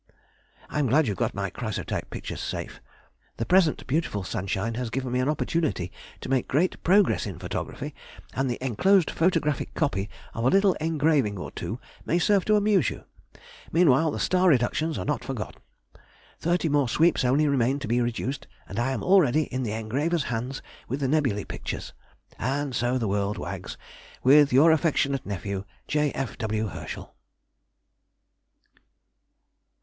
I am glad you got my Chrysotype pictures safe. The present beautiful sunshine has given me an opportunity to make great progress in photography, and the enclosed photographic copy of a little engraving or two may serve to amuse you. Meanwhile the star reductions are not forgotten. Thirty more sweeps only remain to be reduced, and I am already in the engraver's hands with the nebulæ pictures. And so the world wags with Your affectionate nephew, J. F. W. HERSCHEL.